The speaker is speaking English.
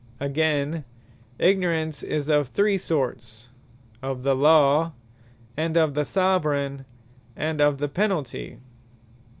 Again, ignorance is of three sort; of the Law, and of the Soveraign, and of the Penalty.